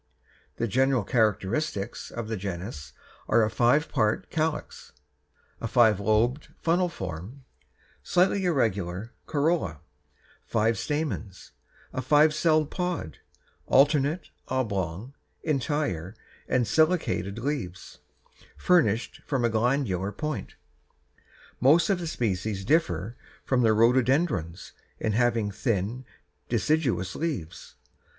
The general characteristics of the genus are a five parted calyx, a five lobed funnel form, slightly irregular corolla, five stamens, a five celled pod, alternate, oblong, entire, and ciliated leaves, furnished with a glandular point. Most of the species differ from the rhododendrons in having thin, deciduous leaves.